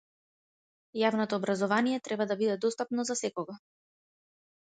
Јавното образование треба да биде достапно за секого.